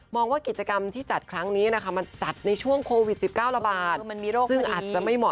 มองว่ากิจกรรมที่จัดครั้งนี้จัดในช่วงโควิด๑๙ระบาด